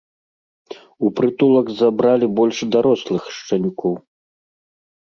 У прытулак забралі больш дарослых шчанюкоў.